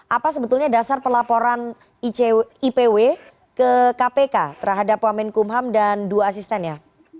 apa sebetulnya dasar pelaporan ipw ke kpk terhadap wamenkumham dan dua asistennya